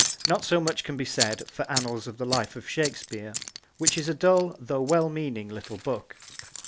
Not so much can be said for Annals of the Life of Shakespeare, which is a dull though well meaning little book.